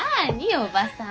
おばさん！